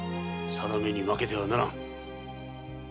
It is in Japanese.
運命に負けてはならぬ。